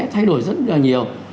thay đổi rất là nhiều